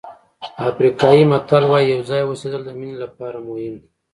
افریقایي متل وایي یو ځای اوسېدل د مینې لپاره مهم دي.